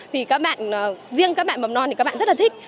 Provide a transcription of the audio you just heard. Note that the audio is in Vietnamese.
thì các bạn riêng các bạn mầm non thì các bạn rất là thích